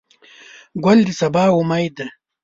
ګل د سبا امید دی.